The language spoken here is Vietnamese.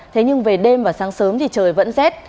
thế nhưng về đêm và sáng sớm thì trời vẫn rét